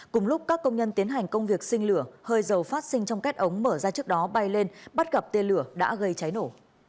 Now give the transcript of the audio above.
cùng lúc các công nhân tiến hành công việc sinh lửa hơi dầu phát sinh trong kết ống mở ra trước đó bay lên bắt gặp tên lửa đã gây cháy nổ